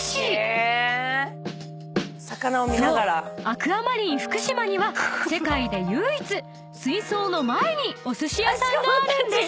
アクアマリンふくしまには世界で唯一水槽の前にお寿司屋さんがあるんです］